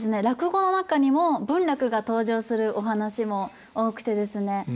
落語の中にも文楽が登場するお噺も多くてですね